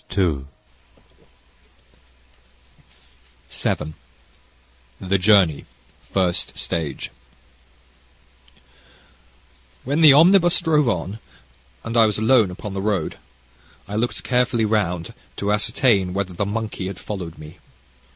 CHAPTER VII The Journey: First Stage "When the omnibus drove on, and I was alone upon the road, I looked carefully round to ascertain whether the monkey had followed me.